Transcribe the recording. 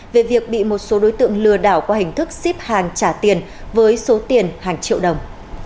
về việc bị một số đối tượng lừa đảo qua hình thức ship hàng trả tiền với số tiền hàng triệu đồng